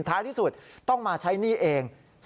ท้ายที่สุดต้องมาใช้หนี้เอง